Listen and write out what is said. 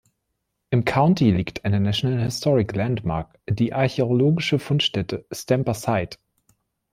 Im County liegt eine National Historic Landmark, die archäologische Fundstätte Stamper Site.